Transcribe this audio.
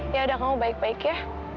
ya udah kamu baik baik ya